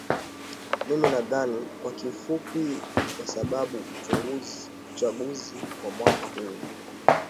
mimi nadhani kwa kifupi kwa sababu uchaguzi wa mwaka huu